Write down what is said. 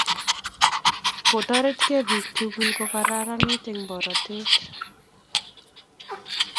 kotoretkei bik tugul ko kararan eng pororiet